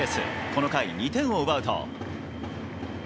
この回、２点を奪うと。